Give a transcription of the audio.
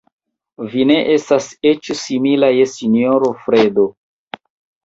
Vi ne estas eĉ simila je sinjoro Fredo.